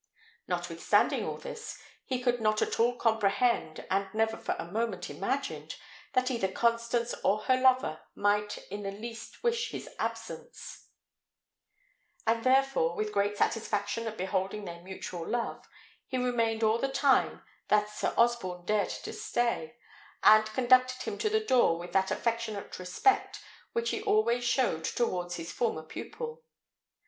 Notwithstanding all this, he could not at all comprehend, and never for a moment imagined, that either Constance or her lover might in the least wish his absence; and therefore, with great satisfaction at beholding their mutual love, he remained all the time that Sir Osborne dared to stay, and conducted him to the door with that affectionate respect which he always showed towards his former pupil.